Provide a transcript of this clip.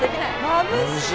まぶしい！